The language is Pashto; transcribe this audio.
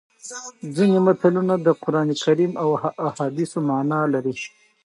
ځینې متلونه د قرانکریم او احادیثو مانا لري